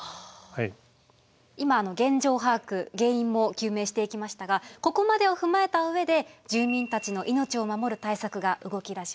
今現状把握原因も究明していきましたがここまでを踏まえた上で住民たちの命を守る対策が動き出しました。